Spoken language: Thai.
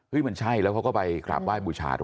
เห้ยมันใช่แล้วเขาก็ไปขลาบไหว้บูชาตรงนั้น